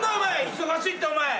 忙しいってお前。